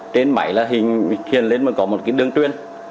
trên máy là hình thuyền lên mà có một cái đường truyền